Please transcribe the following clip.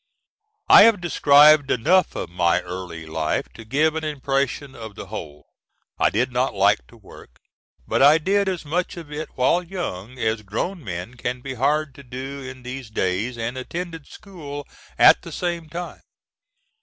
I have describes enough of my early life to give an impression of the whole. I did not like to work; but I did as much of it, while young, as grown men can be hired to do in these days, and attended school at the same time.